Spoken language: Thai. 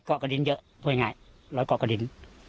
ร้อยเกาะกระดิ้นเยอะเพราะยังไงร้อยเกาะกระดิ้น